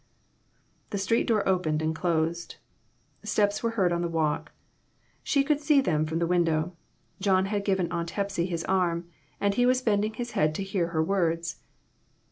The street door opened and closed. Steps were heard on the walk. She could see them from the window. John had given Aunt Hepsy his arm, and was bending his head to hear her words.